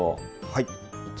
はい。